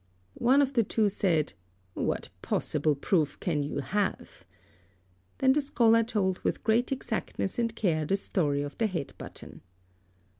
One of the two said, "What possible proof can you have?" Then the scholar told with great exactness and care the story of the head button.